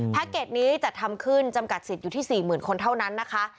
เกจนี้จัดทำขึ้นจำกัดสิทธิ์อยู่ที่๔๐๐๐คนเท่านั้นนะคะ